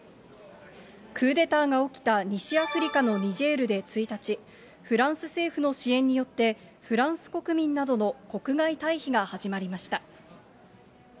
クーデターが起きた西アフリカのニジェールで１日、フランス政府の支援によって、フランス国民などの国外退避が始まりました。